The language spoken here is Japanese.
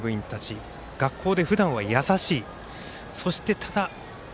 広陵高校の野球部員たち学校でふだんは優しい。